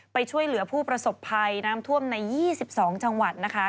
ไปช่วยเหลือผู้ประสบภัยน้ำท่วมใน๒๒จังหวัดนะคะ